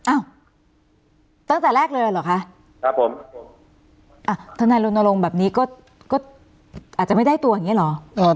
อ้าวตั้งแต่แรกเลยเหรอคะครับผมอ่ะทนายรณรงค์แบบนี้ก็ก็อาจจะไม่ได้ตัวอย่างเงี้เหรอ